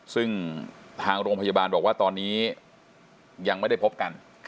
ซึ่งทางโรงพยาบาลบอกว่าตอนนี้ยังไม่ได้พบกัน